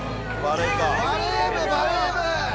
バレー部、バレー部！